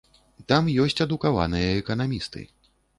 Там ёсць адукаваныя эканамісты.